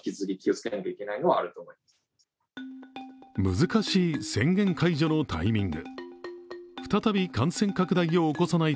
難しい宣言解除のタイミング。